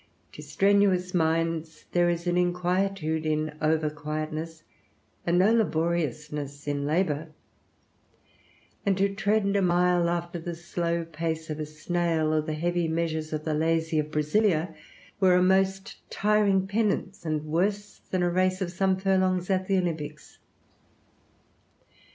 To strenuous minds there is an inquietude in overquietness and no laboriousness in labor; and to tread a mile after the slow pace of a snail, or the heavy measures of the lazy of Brazilia, were a most tiring penance, and worse than a race of some furlongs at the Olympics.